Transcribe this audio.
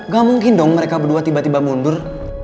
gak mungkin dong mereka berdua tiba tiba mundur